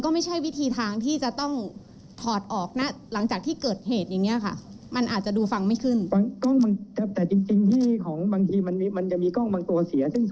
มันอาจจะดูฟังไม่ขึ้น